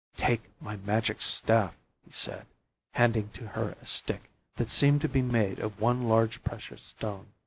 "Take my magic staff," he said, handing to her a stick that seemed to be made of one large precious stone.